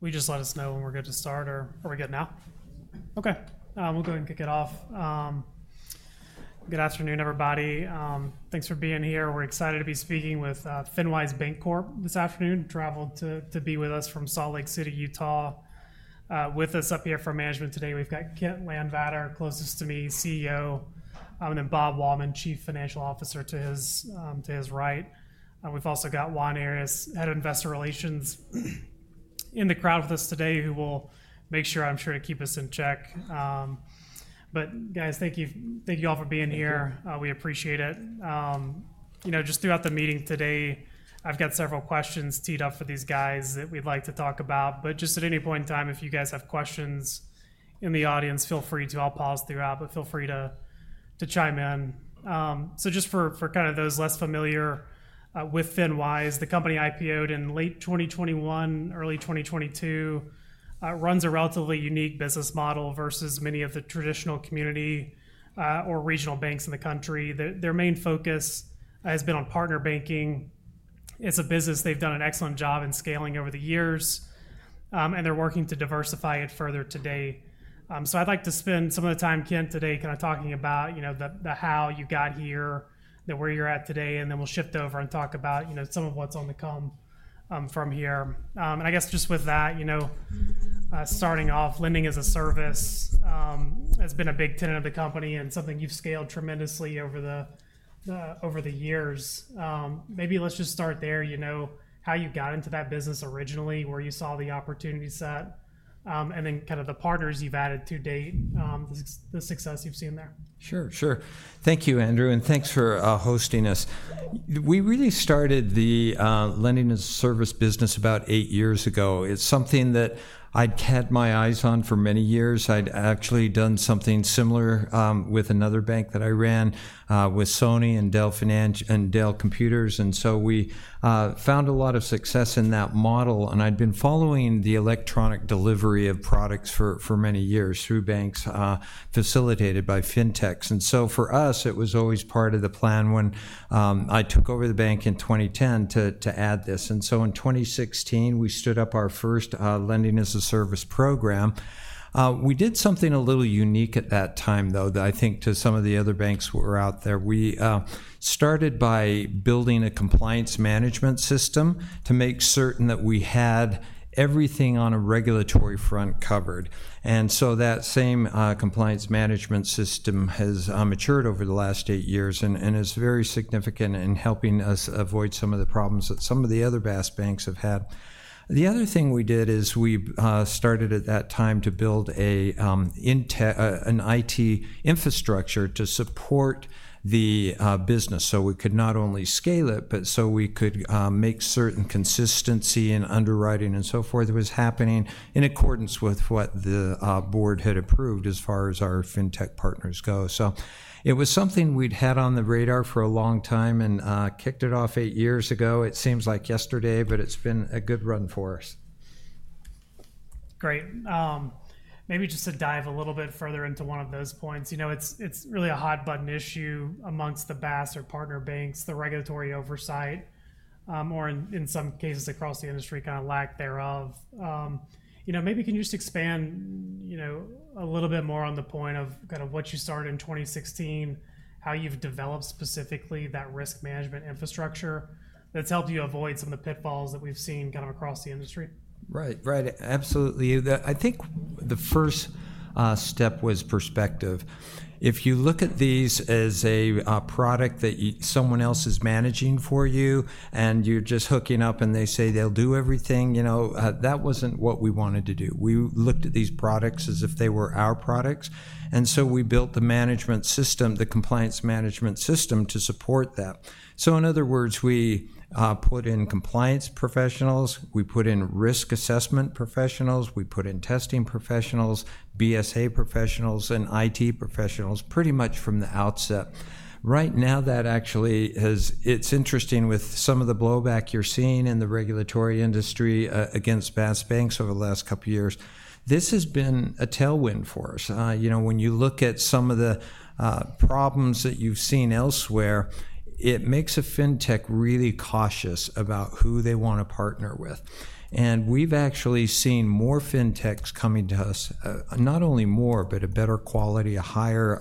We just let us know when we're good to start, or are we good now? Okay. We'll go ahead and kick it off. Good afternoon, everybody. Thanks for being here. We're excited to be speaking with FinWise Bancorp this afternoon. Traveled to be with us from Salt Lake City, Utah. With us up here from management today, we've got Kent Landvatter, closest to me, CEO, and then Bob Wahlman, Chief Financial Officer to his right. We've also got Juan Arias, Head of Investor Relations, in the crowd with us today, who will make sure, I'm sure, to keep us in check. But guys, thank you all for being here. We appreciate it. Just throughout the meeting today, I've got several questions teed up for these guys that we'd like to talk about. But just at any point in time, if you guys have questions in the audience, feel free to. I'll pause throughout, but feel free to chime in. So just for kind of those less familiar with FinWise, the company IPO'd in late 2021, early 2022, runs a relatively unique business model versus many of the traditional community or regional banks in the country. Their main focus has been on partner banking. It's a business they've done an excellent job in scaling over the years, and they're working to diversify it further today. So I'd like to spend some of the time, Kent, today kind of talking about the how you got here, where you're at today, and then we'll shift over and talk about some of what's to come from here. I guess just with that, starting off, lending as a service has been a big tenet of the company and something you've scaled tremendously over the years. Maybe let's just start there. How you got into that business originally, where you saw the opportunity set, and then kind of the partners you've added to date, the success you've seen there. Sure, sure. Thank you, Andrew, and thanks for hosting us. We really started the lending as a service business about eight years ago. It's something that I'd kept my eyes on for many years. I'd actually done something similar with another bank that I ran, with Sony and Dell Computers. And so we found a lot of success in that model. And I'd been following the electronic delivery of products for many years through banks facilitated by fintechs. And so for us, it was always part of the plan when I took over the bank in 2010 to add this. And so in 2016, we stood up our first lending as a service program. We did something a little unique at that time, though, that I think too some of the other banks were out there. We started by building a compliance management system to make certain that we had everything on a regulatory front covered, and so that same compliance management system has matured over the last eight years and is very significant in helping us avoid some of the problems that some of the other BaaS banks have had. The other thing we did is we started at that time to build an IT infrastructure to support the business so we could not only scale it, but so we could make certain consistency in underwriting and so forth was happening in accordance with what the board had approved as far as our fintech partners go, so it was something we'd had on the radar for a long time and kicked it off eight years ago. It seems like yesterday, but it's been a good run for us. Great. Maybe just to dive a little bit further into one of those points, it's really a hot-button issue among the BaaS or partner banks, the regulatory oversight, or in some cases across the industry, kind of lack thereof. Maybe can you just expand a little bit more on the point of kind of what you started in 2016, how you've developed specifically that risk management infrastructure that's helped you avoid some of the pitfalls that we've seen kind of across the industry? Right, right. Absolutely. I think the first step was perspective. If you look at these as a product that someone else is managing for you and you're just hooking up and they say they'll do everything, that wasn't what we wanted to do. We looked at these products as if they were our products. And so we built the management system, the compliance management system to support that. So in other words, we put in compliance professionals, we put in risk assessment professionals, we put in testing professionals, BSA professionals, and IT professionals pretty much from the outset. Right now, that actually has. It's interesting with some of the blowback you're seeing in the regulatory industry against BaaS banks over the last couple of years. This has been a tailwind for us. When you look at some of the problems that you've seen elsewhere, it makes a fintech really cautious about who they want to partner with. And we've actually seen more fintechs coming to us, not only more, but a better quality, a higher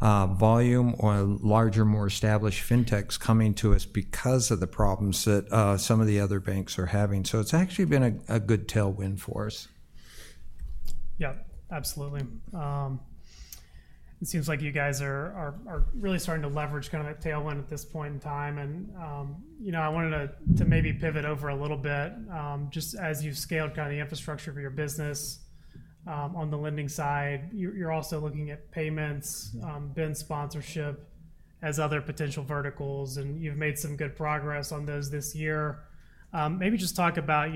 volume, or larger, more established fintechs coming to us because of the problems that some of the other banks are having. So it's actually been a good tailwind for us. Yeah, absolutely. It seems like you guys are really starting to leverage kind of a tailwind at this point in time, and I wanted to maybe pivot over a little bit. Just as you've scaled kind of the infrastructure for your business on the lending side, you're also looking at payments, BIN sponsorship, as other potential verticals, and you've made some good progress on those this year. Maybe just talk about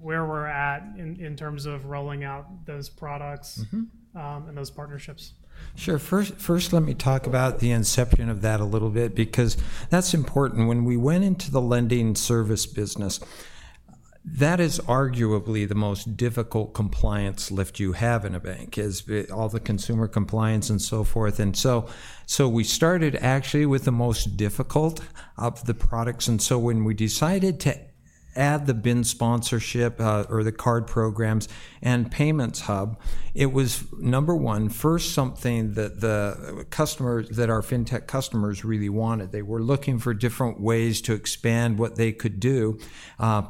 where we're at in terms of rolling out those products and those partnerships? Sure. First, let me talk about the inception of that a little bit because that's important. When we went into the lending service business, that is arguably the most difficult compliance lift you have in a bank, is all the consumer compliance and so forth, and so we started actually with the most difficult of the products, and so when we decided to add the BIN sponsorship or the card programs and payments hub, it was, number one, first, something that our fintech customers really wanted. They were looking for different ways to expand what they could do.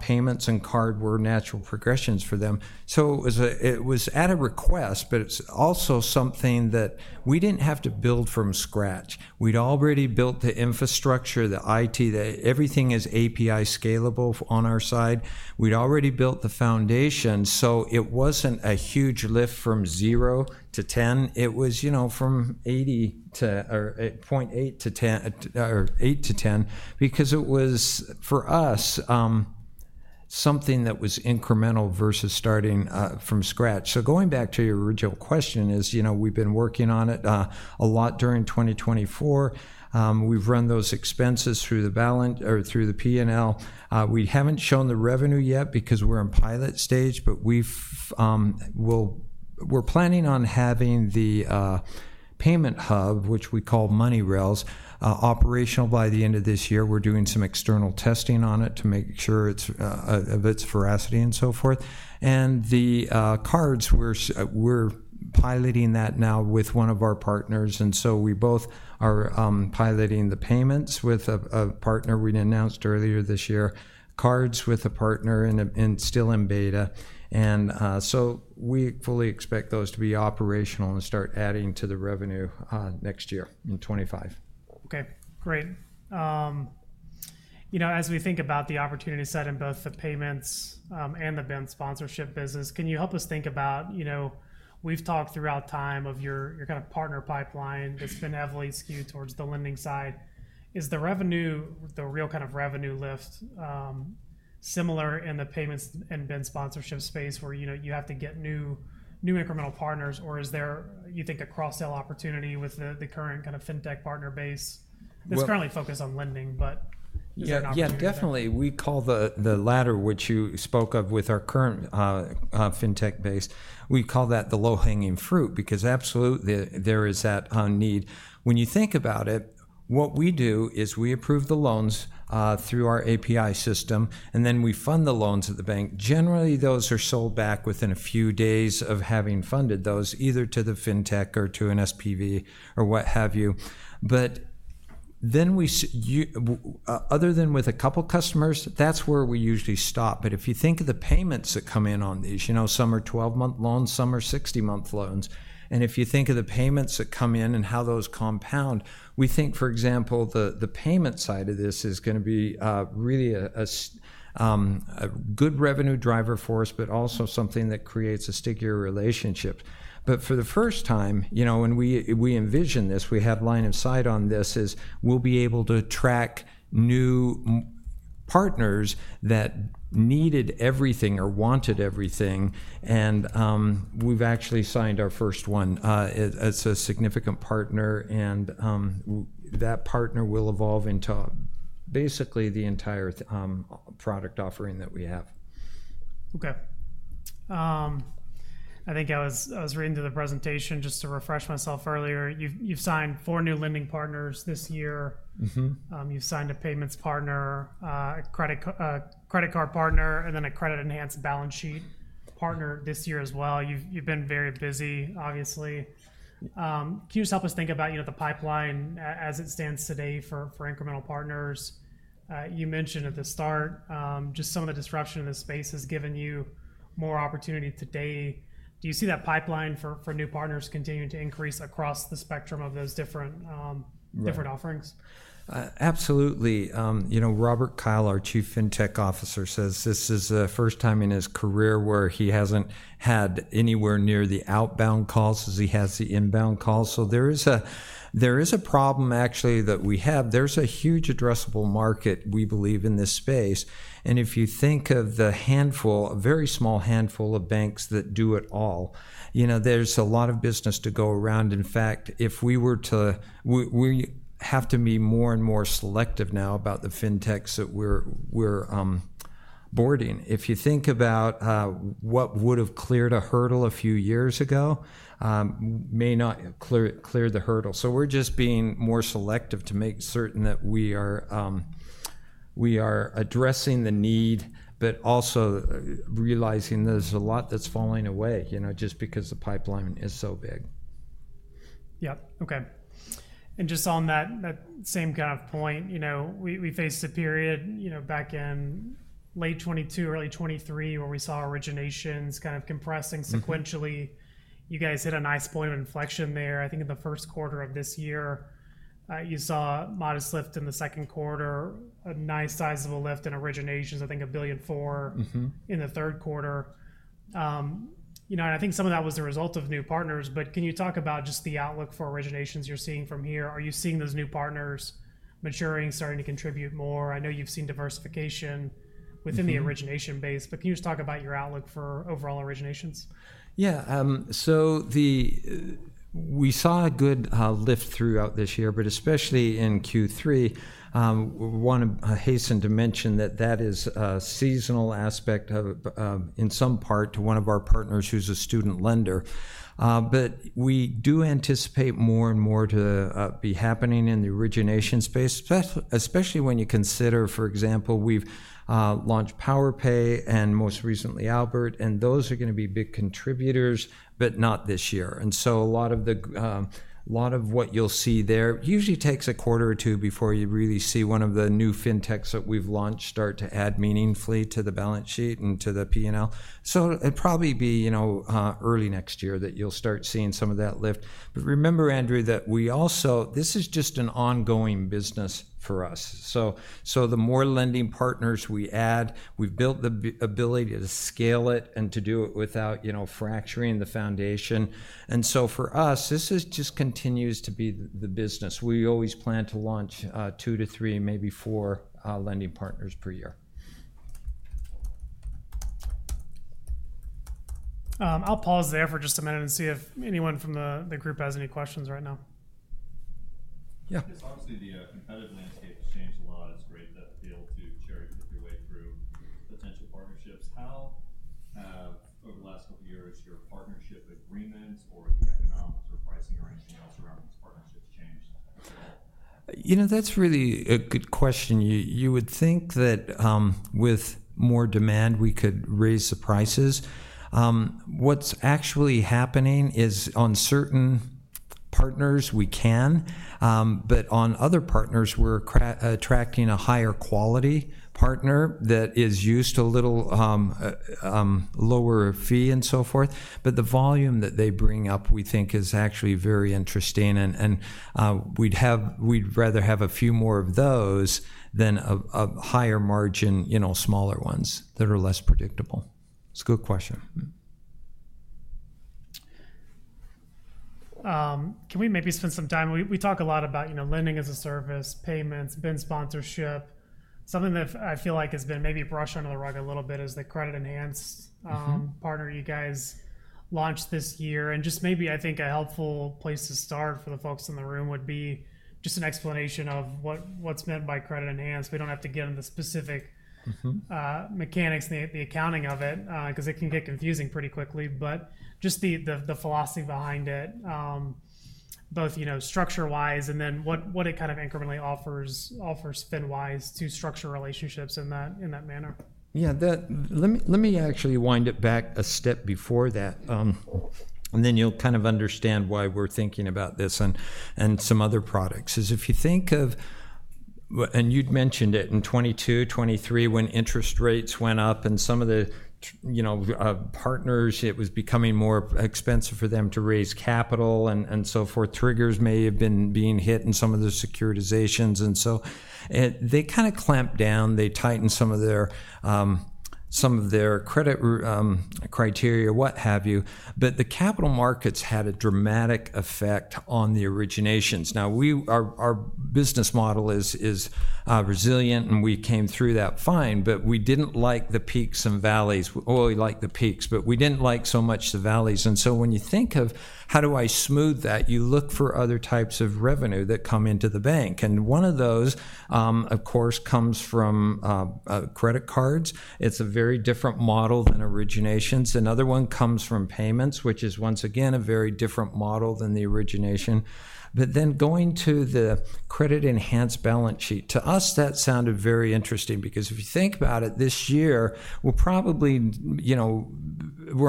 Payments and card were natural progressions for them, so it was at a request, but it's also something that we didn't have to build from scratch. We'd already built the infrastructure, the IT, everything is API scalable on our side. We'd already built the foundation. So it wasn't a huge lift from zero to 10. It was from 0.8 to 10 because it was, for us, something that was incremental versus starting from scratch. So going back to your original question is we've been working on it a lot during 2024. We've run those expenses through the P&L. We haven't shown the revenue yet because we're in pilot stage, but we're planning on having the payment hub, which we call MoneyRails, operational by the end of this year. We're doing some external testing on it to make sure of its veracity and so forth. And the cards, we're piloting that now with one of our partners. And so we both are piloting the payments with a partner. We announced earlier this year cards with a partner and still in beta. And so we fully expect those to be operational and start adding to the revenue next year in 2025. Okay, great. As we think about the opportunity set in both the payments and the BIN sponsorship business, can you help us think about we've talked throughout time of your kind of partner pipeline that's been heavily skewed towards the lending side. Is the revenue, the real kind of revenue lift, similar in the payments and BIN sponsorship space where you have to get new incremental partners, or is there, you think, a cross-sell opportunity with the current kind of fintech partner base that's currently focused on lending, but you're not? Yeah, definitely. We call the latter, which you spoke of with our current fintech base, we call that the low-hanging fruit because absolutely there is that need. When you think about it, what we do is we approve the loans through our API system, and then we fund the loans at the bank. Generally, those are sold back within a few days of having funded those, either to the fintech or to an SPV or what have you. But then we, other than with a couple of customers, that's where we usually stop. But if you think of the payments that come in on these, some are 12-month loans, some are 60-month loans. And if you think of the payments that come in and how those compound, we think, for example, the payment side of this is going to be really a good revenue driver for us, but also something that creates a stickier relationship. But for the first time, when we envision this, we had line of sight on this is we'll be able to track new partners that needed everything or wanted everything. And we've actually signed our first one. It's a significant partner, and that partner will evolve into basically the entire product offering that we have. Okay. I think I was reading through the presentation just to refresh myself earlier. You've signed four new lending partners this year. You've signed a payments partner, a credit card partner, and then a credit enhanced balance sheet partner this year as well. You've been very busy, obviously. Can you just help us think about the pipeline as it stands today for incremental partners? You mentioned at the start just some of the disruption in the space has given you more opportunity today. Do you see that pipeline for new partners continuing to increase across the spectrum of those different offerings? Absolutely. Robert Kyle, our Chief Fintech Officer, says this is the first time in his career where he hasn't had anywhere near the outbound calls as he has the inbound calls. So there is a problem actually that we have. There's a huge addressable market, we believe, in this space. And if you think of the handful, a very small handful of banks that do it all, there's a lot of business to go around. In fact, if we were to, we have to be more and more selective now about the fintechs that we're onboarding. If you think about what would have cleared a hurdle a few years ago, may not clear the hurdle. So we're just being more selective to make certain that we are addressing the need, but also realizing there's a lot that's falling away just because the pipeline is so big. Yeah, okay. And just on that same kind of point, we faced a period back in late 2022, early 2023, where we saw originations kind of compressing sequentially. You guys hit a nice point of inflection there. I think in the first quarter of this year, you saw a modest lift in the second quarter, a nice sizable lift in originations, I think $1.4 billion in the third quarter. And I think some of that was the result of new partners, but can you talk about just the outlook for originations you're seeing from here? Are you seeing those new partners maturing, starting to contribute more? I know you've seen diversification within the origination base, but can you just talk about your outlook for overall originations? Yeah. So we saw a good lift throughout this year, but especially in Q3. I want to hasten to mention that that is a seasonal aspect in some part to one of our partners who's a student lender. But we do anticipate more and more to be happening in the origination space, especially when you consider, for example, we've launched PowerPay and most recently Albert, and those are going to be big contributors, but not this year. And so a lot of what you'll see there usually takes a quarter or two before you really see one of the new fintechs that we've launched start to add meaningfully to the balance sheet and to the P&L. So it'll probably be early next year that you'll start seeing some of that lift. But remember, Andrew, that we also, this is just an ongoing business for us. So the more lending partners we add, we've built the ability to scale it and to do it without fracturing the foundation. And so for us, this just continues to be the business. We always plan to launch two to three, maybe four lending partners per year. I'll pause there for just a minute and see if anyone from the group has any questions right now. Yeah. Obviously, the competitive landscape has changed a lot. It's great to be able to cherry-pick your way through potential partnerships. How have, over the last couple of years, your partnership agreements or the economics or pricing or anything else around these partnerships changed? That's really a good question. You would think that with more demand, we could raise the prices. What's actually happening is on certain partners, we can, but on other partners, we're attracting a higher quality partner that is used to a little lower fee and so forth. But the volume that they bring up, we think, is actually very interesting, and we'd rather have a few more of those than a higher margin, smaller ones that are less predictable. It's a good question. Can we maybe spend some time? We talk a lot about lending as a service, payments, BIN sponsorship. Something that I feel like has been maybe brushed under the rug a little bit is the credit enhanced partner you guys launched this year. Just maybe I think a helpful place to start for the folks in the room would be just an explanation of what's meant by credit enhanced. We don't have to get into specific mechanics and the accounting of it because it can get confusing pretty quickly, but just the philosophy behind it, both structure-wise and then what it kind of incrementally offers FinWise to structure relationships in that manner. Yeah, let me actually wind it back a step before that, and then you'll kind of understand why we're thinking about this and some other products. If you think of, and you'd mentioned it in 2022, 2023 when interest rates went up and some of the partners, it was becoming more expensive for them to raise capital and so forth. Triggers may have been being hit in some of the securitizations, and so they kind of clamped down, they tightened some of their credit criteria, what have you, but the capital markets had a dramatic effect on the originations. Now, our business model is resilient, and we came through that fine, but we didn't like the peaks and valleys, well, we liked the peaks, but we didn't like so much the valleys. And so when you think of how do I smooth that, you look for other types of revenue that come into the bank. And one of those, of course, comes from credit cards. It's a very different model than originations. Another one comes from payments, which is once again a very different model than the origination. But then going to the credit enhanced balance sheet, to us, that sounded very interesting because if you think about it, this year, we're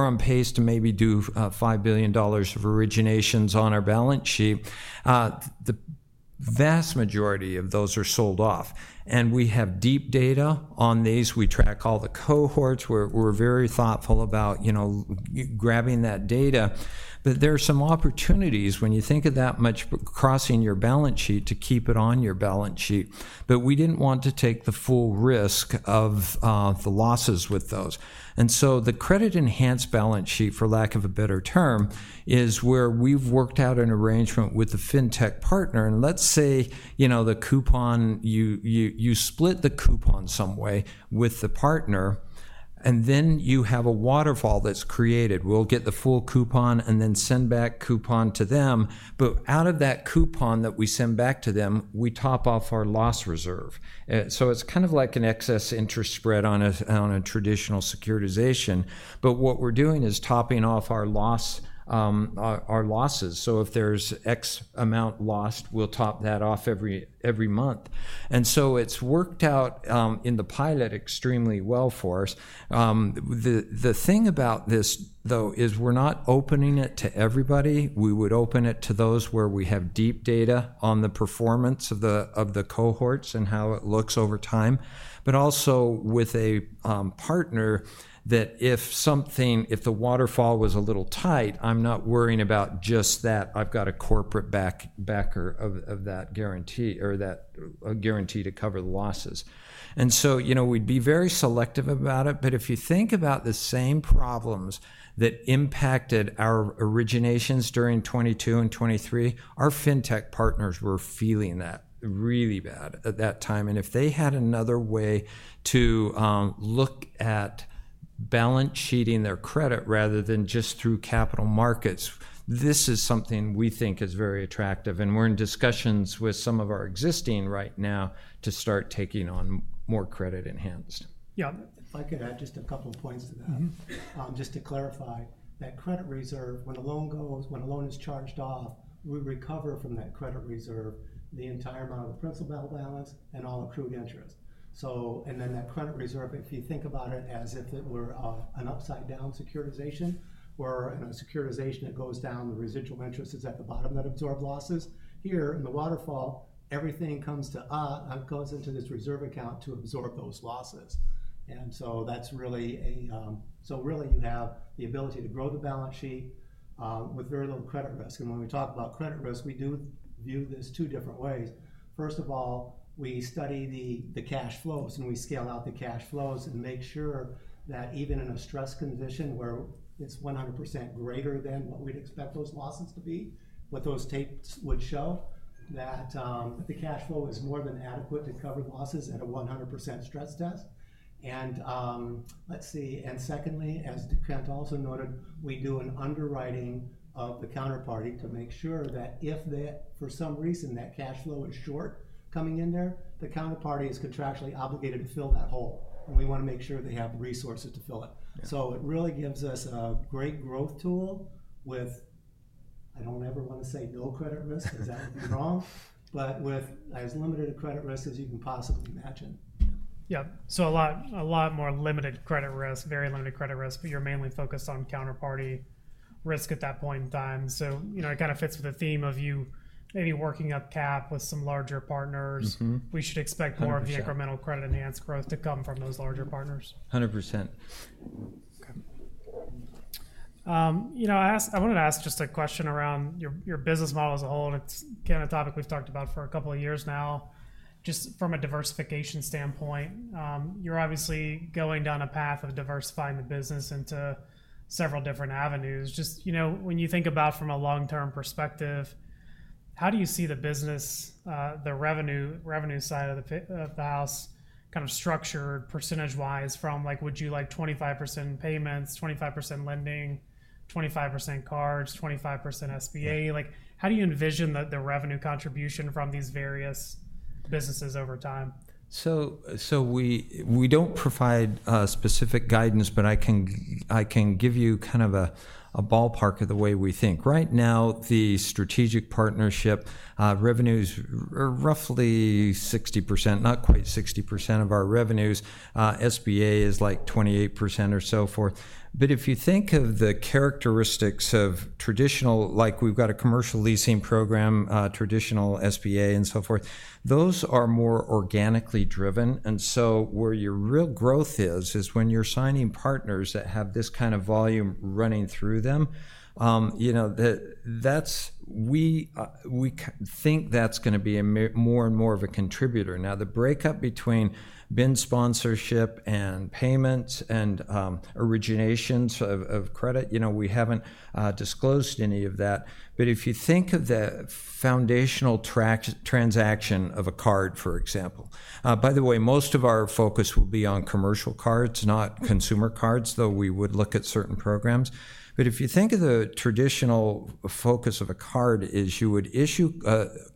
on pace to maybe do $5 billion of originations on our balance sheet. The vast majority of those are sold off. And we have deep data on these. We track all the cohorts. We're very thoughtful about grabbing that data. But there are some opportunities when you think of that much crossing your balance sheet to keep it on your balance sheet. But we didn't want to take the full risk of the losses with those. And so the credit enhanced balance sheet, for lack of a better term, is where we've worked out an arrangement with the fintech partner. And let's say the coupon, you split the coupon some way with the partner, and then you have a waterfall that's created. We'll get the full coupon and then send back coupon to them. But out of that coupon that we send back to them, we top off our loss reserve. So it's kind of like an excess interest spread on a traditional securitization. But what we're doing is topping off our losses. So if there's X amount lost, we'll top that off every month. And so it's worked out in the pilot extremely well for us. The thing about this, though, is we're not opening it to everybody. We would open it to those where we have deep data on the performance of the cohorts and how it looks over time, but also with a partner that, if the waterfall was a little tight, I'm not worrying about just that. I've got a corporate backer of that guarantee or that guarantee to cover the losses. And so we'd be very selective about it. But if you think about the same problems that impacted our originations during 2022 and 2023, our fintech partners were feeling that really bad at that time. And if they had another way to look at balance sheeting their credit rather than just through capital markets, this is something we think is very attractive. And we're in discussions with some of our existing right now to start taking on more credit enhanced. Yeah. If I could add just a couple of points to that, just to clarify that credit reserve, when a loan goes, when a loan is charged off, we recover from that credit reserve the entire amount of the principal balance and all accrued interest. And then that credit reserve, if you think about it as if it were an upside-down securitization or a securitization that goes down, the residual interest is at the bottom that absorbs losses. Here in the waterfall, everything comes to us and goes into this reserve account to absorb those losses. And so that's really a, so really you have the ability to grow the balance sheet with very little credit risk. And when we talk about credit risk, we do view this two different ways. First of all, we study the cash flows and we scale out the cash flows and make sure that even in a stress condition where it's 100% greater than what we'd expect those losses to be, what those tapes would show that the cash flow is more than adequate to cover losses at a 100% stress test. And let's see. And secondly, as Kent also noted, we do an underwriting of the counterparty to make sure that if for some reason that cash flow is shortcoming in there, the counterparty is contractually obligated to fill that hole. And we want to make sure they have resources to fill it. So it really gives us a great growth tool with, I don't ever want to say no credit risk because that would be wrong, but with as limited a credit risk as you can possibly imagine. Yeah, so a lot more limited credit risk, very limited credit risk, but you're mainly focused on counterparty risk at that point in time, so it kind of fits with the theme of you maybe working up cap with some larger partners. We should expect more of the incremental credit enhanced growth to come from those larger partners. 100%. Okay. I wanted to ask just a question around your business model as a whole. It's kind of a topic we've talked about for a couple of years now. Just from a diversification standpoint, you're obviously going down a path of diversifying the business into several different avenues. Just when you think about from a long-term perspective, how do you see the business, the revenue side of the house kind of structured percentage-wise from would you like 25% payments, 25% lending, 25% cards, 25% SBA? How do you envision the revenue contribution from these various businesses over time? So we don't provide specific guidance, but I can give you kind of a ballpark of the way we think. Right now, the strategic partnership revenues are roughly 60%, not quite 60% of our revenues. SBA is like 28% or so forth. But if you think of the characteristics of traditional, like we've got a commercial leasing program, traditional SBA and so forth, those are more organically driven. And so where your real growth is, is when you're signing partners that have this kind of volume running through them, that we think is going to be more and more of a contributor. Now, the breakdown between BIN sponsorship and payments and originations of credit, we haven't disclosed any of that. If you think of the foundational transaction of a card, for example, by the way, most of our focus will be on commercial cards, not consumer cards, though we would look at certain programs. If you think of the traditional focus of a card is you would issue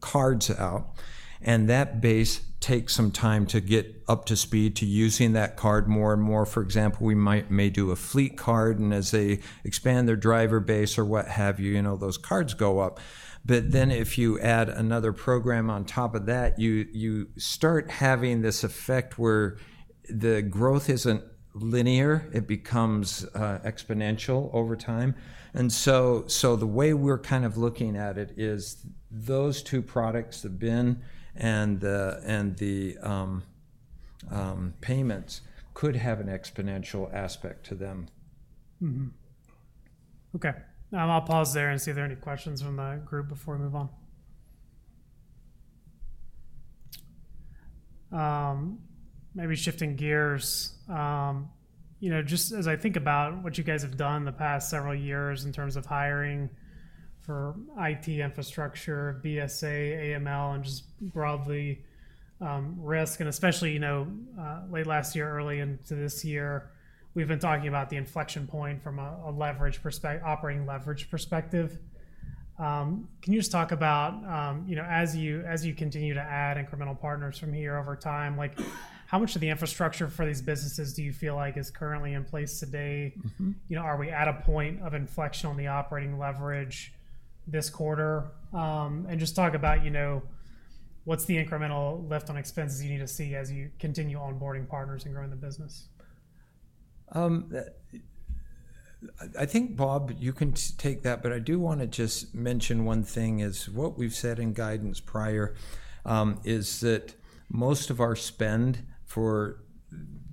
cards out, and that base takes some time to get up to speed to using that card more and more. For example, we may do a fleet card, and as they expand their driver base or what have you, those cards go up. If you add another program on top of that, you start having this effect where the growth isn't linear. It becomes exponential over time. The way we're kind of looking at it is those two products, the BIN and the payments, could have an exponential aspect to them. Okay. I'll pause there and see if there are any questions from the group before we move on. Maybe shifting gears. Just as I think about what you guys have done the past several years in terms of hiring for IT infrastructure, BSA, AML, and just broadly risk, and especially late last year, early into this year, we've been talking about the inflection point from a operating leverage perspective. Can you just talk about as you continue to add incremental partners from here over time, how much of the infrastructure for these businesses do you feel like is currently in place today? Are we at a point of inflection on the operating leverage this quarter? And just talk about what's the incremental lift on expenses you need to see as you continue onboarding partners and growing the business. I think, Bob, you can take that, but I do want to just mention one thing is what we've said in guidance prior is that most of our spend for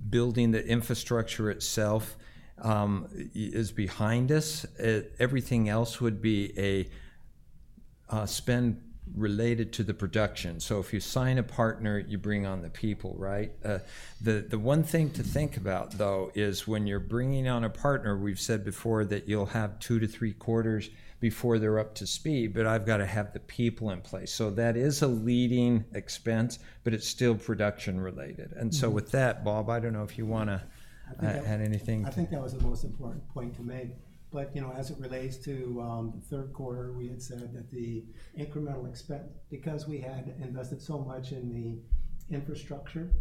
building the infrastructure itself is behind us. Everything else would be a spend related to the production. So if you sign a partner, you bring on the people, right? The one thing to think about, though, is when you're bringing on a partner, we've said before that you'll have two to three quarters before they're up to speed, but I've got to have the people in place. So that is a leading expense, but it's still production related. And so with that, Bob, I don't know if you want to add anything. I think that was the most important point to make, but as it relates to the third quarter, we had said that the incremental expense, because we had invested so much in the infrastructure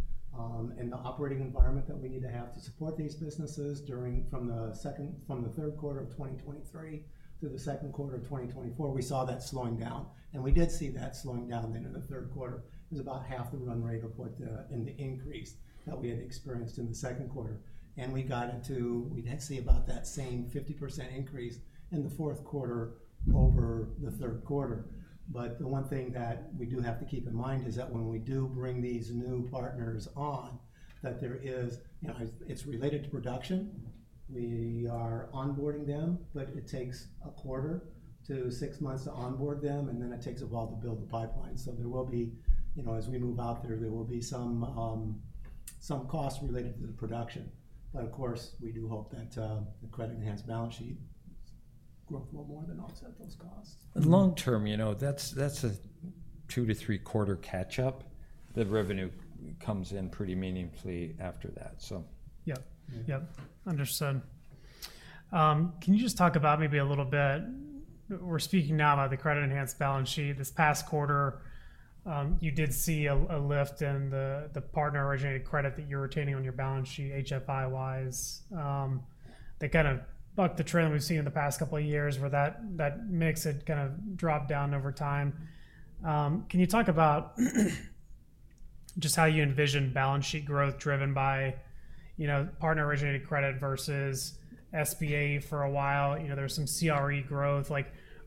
and the operating environment that we need to have to support these businesses from the third quarter of 2023 to the second quarter of 2024, we saw that slowing down, and we did see that slowing down then in the third quarter. It was about half the run rate of what was the increase that we had experienced in the second quarter, and we did see about that same 50% increase in the fourth quarter over the third quarter, but the one thing that we do have to keep in mind is that when we do bring these new partners on, that there is. It's related to production. We are onboarding them, but it takes a quarter to six months to onboard them, and then it takes a while to build the pipeline. So there will be, as we move out there, there will be some costs related to the production. But of course, we do hope that the credit enhanced balance sheet growth will more than offset those costs. Long term, that's a two to three quarter catch-up. The revenue comes in pretty meaningfully after that, so. Yeah. Yeah. Understood. Can you just talk about maybe a little bit? We're speaking now about the credit enhanced balance sheet. This past quarter, you did see a lift in the partner originated credit that you're retaining on your balance sheet, HFI-wise. They kind of bucked the trend we've seen in the past couple of years where that mix had kind of dropped down over time. Can you talk about just how you envision balance sheet growth driven by partner originated credit versus SBA for a while? There's some CRE growth.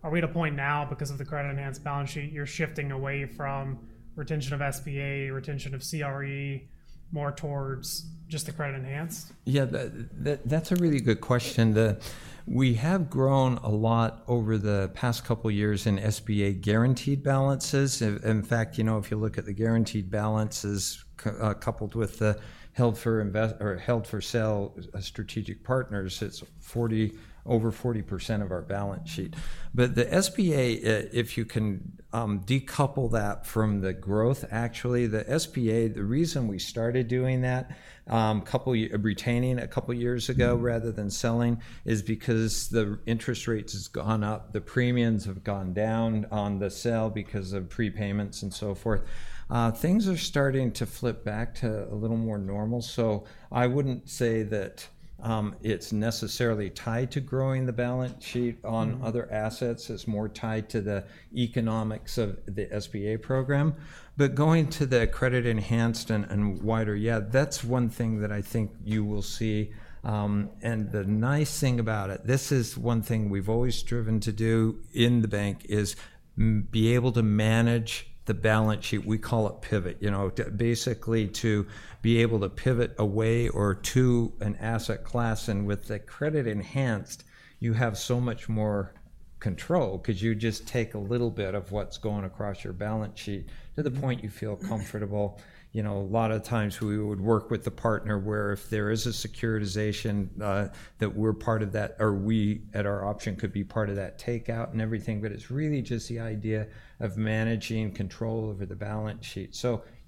Are we at a point now because of the credit enhanced balance sheet, you're shifting away from retention of SBA, retention of CRE, more towards just the credit enhanced? Yeah. That's a really good question. We have grown a lot over the past couple of years in SBA guaranteed balances. In fact, if you look at the guaranteed balances coupled with the held for sale strategic partners, it's over 40% of our balance sheet. But the SBA, if you can decouple that from the growth, actually, the SBA, the reason we started doing that, retaining a couple of years ago rather than selling, is because the interest rates have gone up, the premiums have gone down on the sale because of prepayments and so forth. Things are starting to flip back to a little more normal. So I wouldn't say that it's necessarily tied to growing the balance sheet on other assets. It's more tied to the economics of the SBA program. But going to the credit-enhanced and wider, yeah, that's one thing that I think you will see. And the nice thing about it, this is one thing we've always driven to do in the bank is be able to manage the balance sheet. We call it pivot. Basically, to be able to pivot away or to an asset class. And with the credit-enhanced, you have so much more control because you just take a little bit of what's going across your balance sheet to the point you feel comfortable. A lot of times we would work with the partner where if there is a securitization that we're part of that, or we at our option could be part of that takeout and everything, but it's really just the idea of managing control over the balance sheet.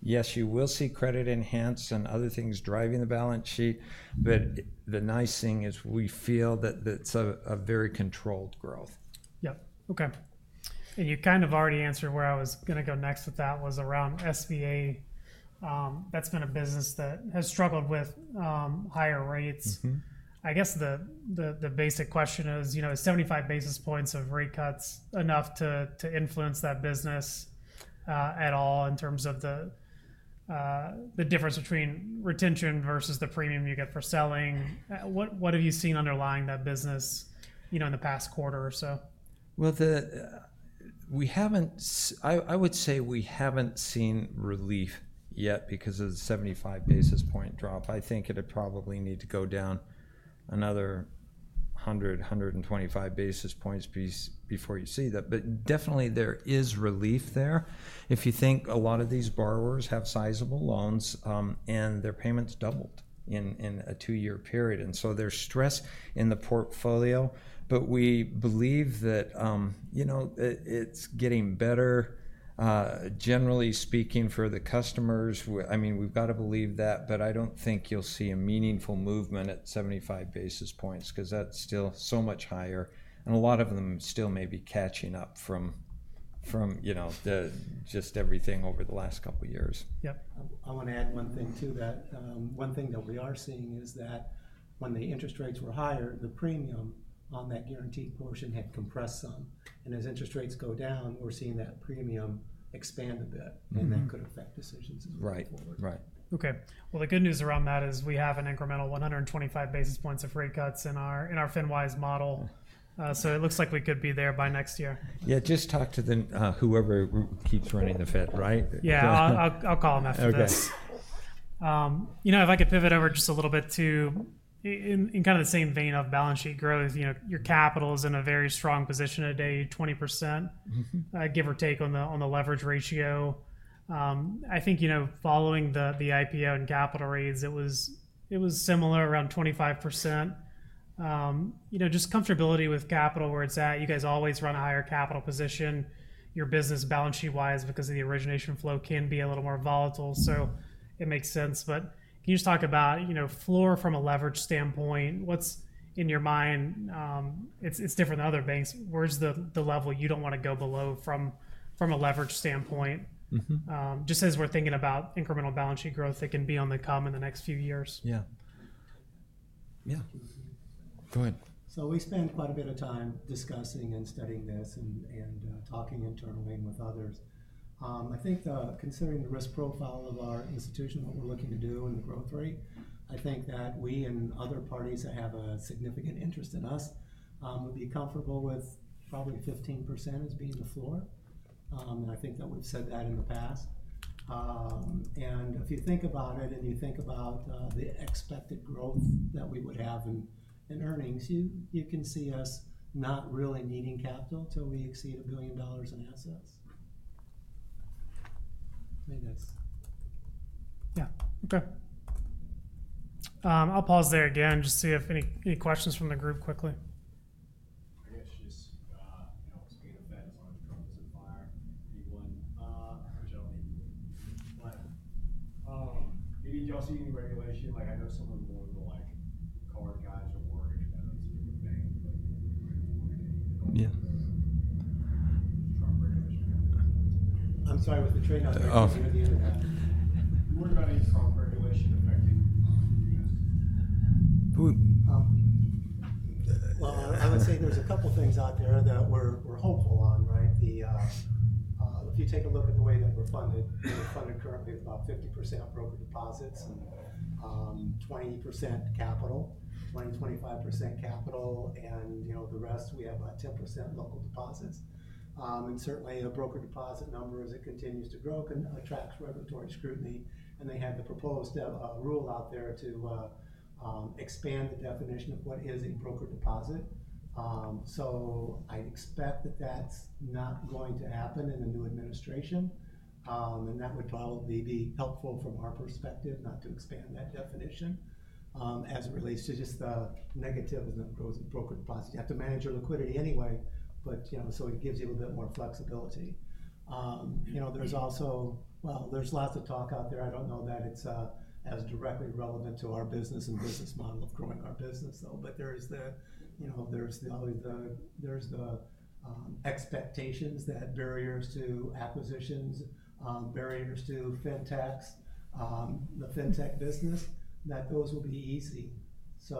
Yes, you will see credit enhanced and other things driving the balance sheet, but the nice thing is we feel that it's a very controlled growth. Yeah. Okay. And you kind of already answered where I was going to go next with that was around SBA. That's been a business that has struggled with higher rates. I guess the basic question is, is 75 basis points of rate cuts enough to influence that business at all in terms of the difference between retention versus the premium you get for selling? What have you seen underlying that business in the past quarter or so? I would say we haven't seen relief yet because of the 75 basis point drop. I think it would probably need to go down another 100 basis points, 125 basis points before you see that, but definitely there is relief there. If you think a lot of these borrowers have sizable loans and their payments doubled in a two-year period, and so there's stress in the portfolio, but we believe that it's getting better. Generally speaking, for the customers, I mean, we've got to believe that, but I don't think you'll see a meaningful movement at 75 basis points because that's still so much higher, and a lot of them still may be catching up from just everything over the last couple of years. Yeah. I want to add one thing to that. One thing that we are seeing is that when the interest rates were higher, the premium on that guaranteed portion had compressed some, and as interest rates go down, we're seeing that premium expand a bit, and that could affect decisions as well. Right. Right. The good news around that is we have an incremental 125 basis points of rate cuts in our FinWise model, so it looks like we could be there by next year. Yeah. Just talk to whoever keeps running the Fed, right? Yeah. I'll call him after this. If I could pivot over just a little bit too in kind of the same vein of balance sheet growth, your capital is in a very strong position today, 20%, give or take, on the leverage ratio. I think following the IPO and capital raise, it was similar around 25%. Just comfortability with capital where it's at. You guys always run a higher capital position. Your business, balance sheet-wise, because of the origination flow, can be a little more volatile, so it makes sense. But can you just talk about floor from a leverage standpoint? What's in your mind? It's different than other banks. Where's the level you don't want to go below from a leverage standpoint? Just as we're thinking about incremental balance sheet growth, it can be on the come in the next few years. Yeah. Yeah. Go ahead. So we spend quite a bit of time discussing and studying this and talking internally and with others. I think considering the risk profile of our institution, what we're looking to do and the growth rate, I think that we and other parties that have a significant interest in us would be comfortable with probably 15% as being the floor. And I think that we've said that in the past. And if you think about it and you think about the expected growth that we would have in earnings, you can see us not really needing capital until we exceed $1 billion in assets. I think that's. Yeah. Okay. I'll pause there again just to see if any questions from the group quickly. I want to come to the fire. Anyone? I'm John, but maybe do y'all see any regulation? card guys or mortgage guys I'm sorry, with the trade-off, you're at the end of that. Who? I would say there's a couple of things out there that we're hopeful on, right? If you take a look at the way that we're funded, we're funded currently with about 50% broker deposits and 20%, 25% capital, and the rest, we have about 10% local deposits. And certainly, a broker deposit number, as it continues to grow, can attract regulatory scrutiny. And they had the proposed rule out there to expand the definition of what is a broker deposit. So I'd expect that that's not going to happen in a new administration. And that would probably be helpful from our perspective not to expand that definition as it relates to just the negatives of growth and broker deposits. You have to manage your liquidity anyway, so it gives you a little bit more flexibility. There's also lots of talk out there. I don't know that it's as directly relevant to our business and business model of growing our business, though. But there's always the expectations that barriers to acquisitions, barriers to fintechs, the fintech business, that those will be easy. So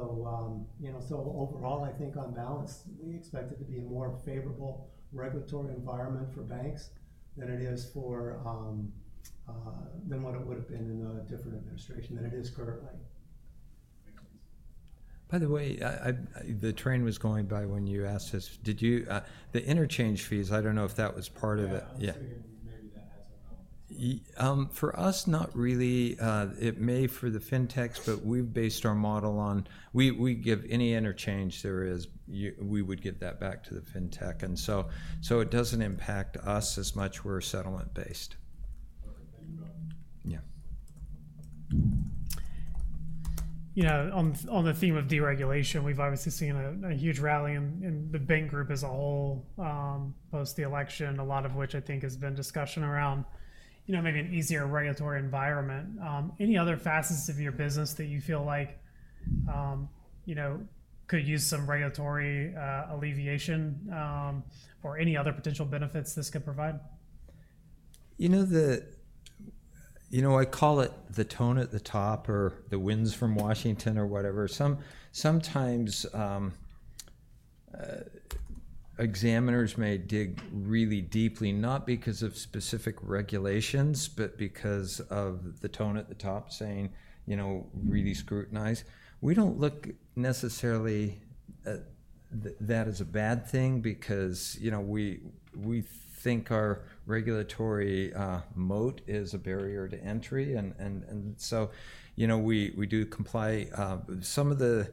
overall, I think on balance, we expect it to be a more favorable regulatory environment for banks than it is than what it would have been in a different administration than it is currently. By the way, the train was going by when you asked us. Did you the interchange fees? I don't know if that was part of it. Yeah. Maybe that had some relevance. For us, not really. It may for the fintechs, but we've based our model on we give any interchange there is, we would give that back to the fintech. And so it doesn't impact us as much. We're settlement-based. Perfect. Thank you, Bob. Yeah. On the theme of deregulation, we've obviously seen a huge rally in the bank group as a whole post the election, a lot of which I think has been discussion around maybe an easier regulatory environment. Any other facets of your business that you feel like could use some regulatory alleviation or any other potential benefits this could provide? You know, I call it the tone at the top or the winds from Washington or whatever. Sometimes examiners may dig really deeply, not because of specific regulations, but because of the tone at the top saying, "Really scrutinize." We don't look necessarily at that as a bad thing because we think our regulatory moat is a barrier to entry. And so we do comply. Some of the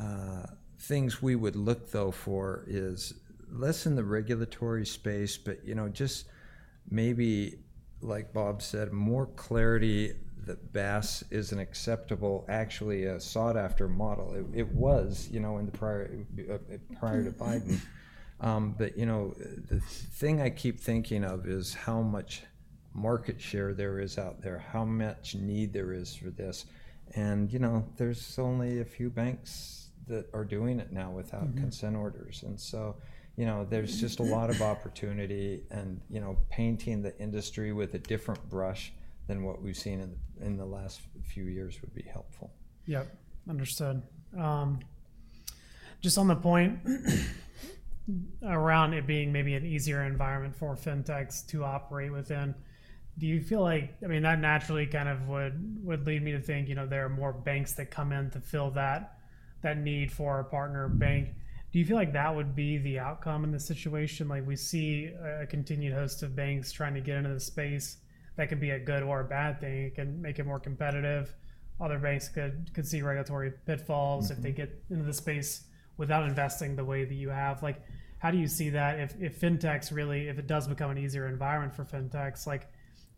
things, I think, we would look to for is less in the regulatory space, but just maybe, like Bob said, more clarity that BaaS is an acceptable, actually a sought-after model. It was in the prior to Biden. But the thing I keep thinking of is how much market share there is out there, how much need there is for this. And there's only a few banks that are doing it now without consent orders. And so there's just a lot of opportunity and painting the industry with a different brush than what we've seen in the last few years would be helpful. Yeah. Understood. Just on the point around it being maybe an easier environment for fintechs to operate within, do you feel like, I mean, that naturally kind of would lead me to think there are more banks that come in to fill that need for our partner bank. Do you feel like that would be the outcome in this situation? We see a continued host of banks trying to get into the space. That can be a good or a bad thing. It can make it more competitive. Other banks could see regulatory pitfalls if they get into the space without investing the way that you have. How do you see that if fintechs really, if it does become an easier environment for fintechs,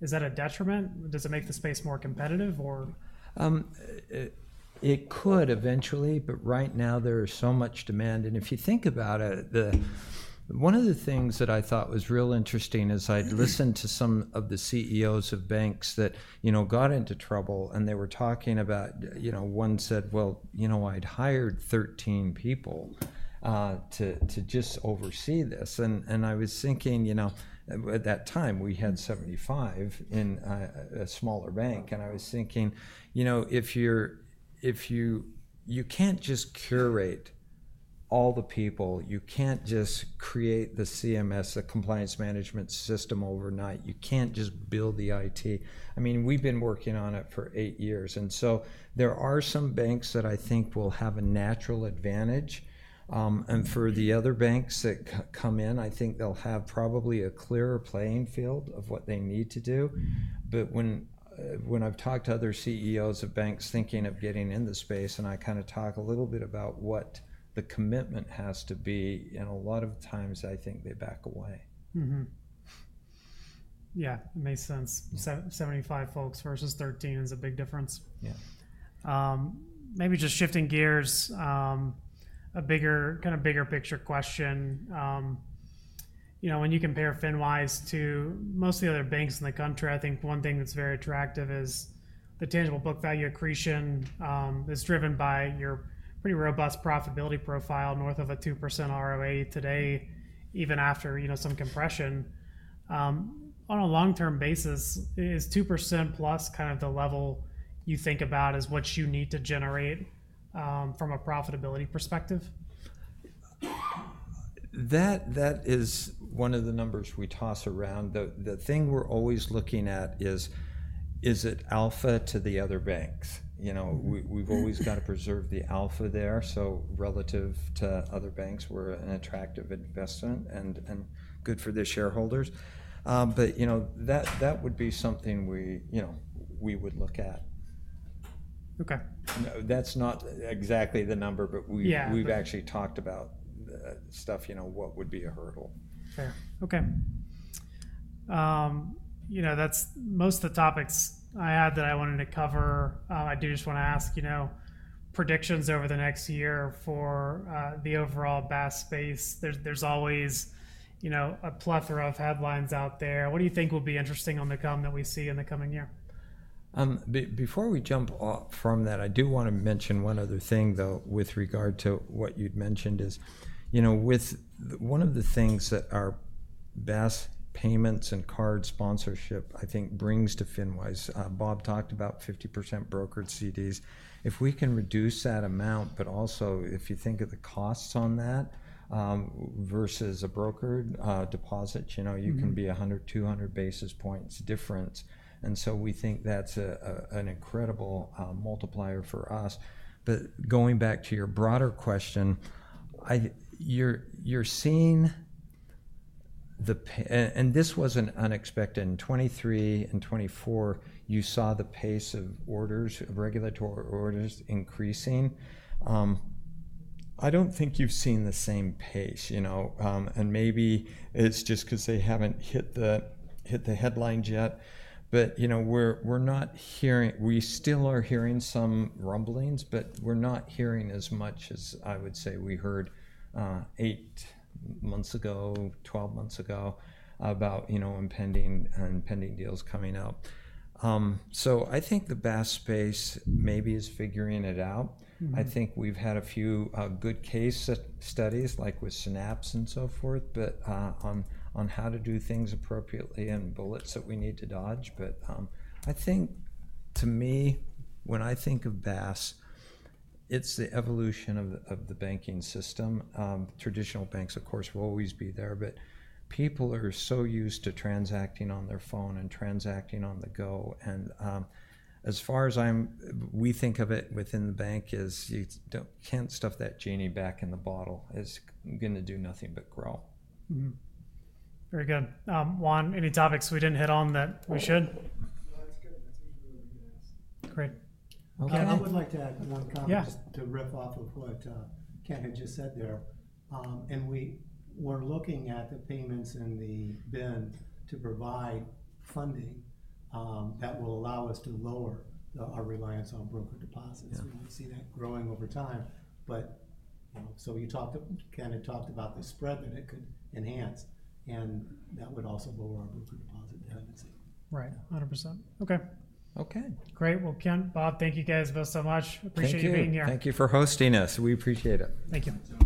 is that a detriment? Does it make the space more competitive or? It could eventually, but right now there is so much demand. And if you think about it, one of the things that I thought was real interesting is I'd listened to some of the CEOs of banks that got into trouble and they were talking about, one said, "Well, you know I'd hired 13 people to just oversee this." And I was thinking, at that time, we had 75 in a smaller bank. And I was thinking, "If you can't just curate all the people, you can't just create the CMS, the Compliance Management System overnight. You can't just build the IT." I mean, we've been working on it for eight years. And so there are some banks that I think will have a natural advantage. And for the other banks that come in, I think they'll have probably a clearer playing field of what they need to do. But when I've talked to other CEOs of banks thinking of getting in the space, and I kind of talk a little bit about what the commitment has to be, and a lot of times I think they back away. Yeah. It makes sense. 75 folks versus 13 is a big difference. Yeah. Maybe just shifting gears, a kind of bigger picture question. When you compare FinWise to most of the other banks in the country, I think one thing that's very attractive is the tangible book value accretion is driven by your pretty robust profitability profile north of a 2% ROA today, even after some compression. On a long-term basis, is 2%+ kind of the level you think about as what you need to generate from a profitability perspective? That is one of the numbers we toss around. The thing we're always looking at is, is it alpha to the other banks? We've always got to preserve the alpha there. So relative to other banks, we're an attractive investment and good for the shareholders. But that would be something we would look at. Okay. That's not exactly the number, but we've actually talked about stuff. What would be a hurdle? Fair. Okay. That's most of the topics I had that I wanted to cover. I do just want to ask predictions over the next year for the overall BaaS space. There's always a plethora of headlines out there. What do you think will be interesting to come that we see in the coming year? Before we jump off from that, I do want to mention one other thing, though, with regard to what you'd mentioned is with one of the things that our BaaS payments and card sponsorship, I think, brings to FinWise. Bob talked about 50% brokered CDs. If we can reduce that amount, but also if you think of the costs on that versus a brokered deposit, you can be 100 basis points, 200 basis points difference. And so we think that's an incredible multiplier for us. But going back to your broader question, you're seeing the, and this wasn't unexpected. In 2023 and 2024, you saw the pace of orders, of regulatory orders increasing. I don't think you've seen the same pace. And maybe it's just because they haven't hit the headlines yet. But we're not hearing. We still are hearing some rumblings, but we're not hearing as much as I would say we heard eight months ago, 12 months ago about impending deals coming out. So I think the BaaS space maybe is figuring it out. I think we've had a few good case studies like with Synapse and so forth, but on how to do things appropriately and bullets that we need to dodge. But I think to me, when I think of BaaS, it's the evolution of the banking system. Traditional banks, of course, will always be there, but people are so used to transacting on their phone and transacting on the go. And as far as I'm, we think of it within the bank is you can't stuff that genie back in the bottle. It's going to do nothing but grow. Very good. Juan, any topics we didn't hit on that we should? No, that's good. That's usually what we can ask. Great. I would like to add one comment just to riff off of what Kent had just said there, and we're looking at the payments and the BIN to provide funding that will allow us to lower our reliance on brokered deposits. We see that growing over time, but so you talked to Kent and talked about the spread that it could enhance, and that would also lower our brokered deposit dependency. Right. 100%. Okay. Okay. Great. Well, Kent, Bob, thank you guys both so much. Appreciate you being here. Thank you. Thank you for hosting us. We appreciate it. Thank you.